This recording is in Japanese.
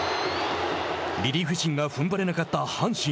リリーフ陣がふんばれなかった阪神。